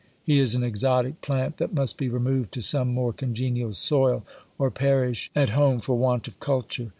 He is an exotic plant, thatmust be removed to some more congenial soil, or perish at home for want of culture.